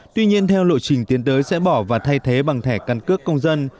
tuy nhiên theo lộ trình tiến tới sẽ bỏ và thay thế bằng thẻ căn cước công dân